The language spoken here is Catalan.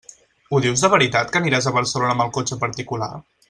Ho dius de veritat que aniràs a Barcelona amb el cotxe particular?